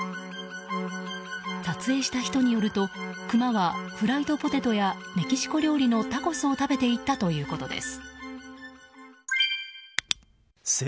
撮影した人によるとクマはフライドポテトやメキシコ料理のタコスを食べていたということです。